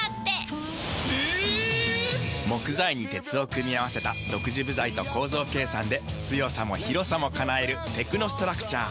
木材に鉄を組み合わせた独自部材と構造計算で強さも広さも叶えるテクノストラクチャー。